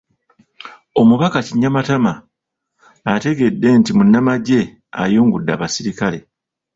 Omubaka Kinyamatama ategedde nti Munnamagye ayungudde abaserikale